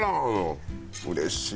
うれしい。